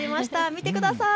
見てください。